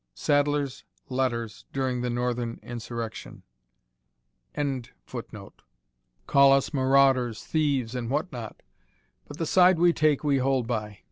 Sadler's letters during the Northern Insurrection.] call us marauders, thieves, and what not; but the side we take we hold by.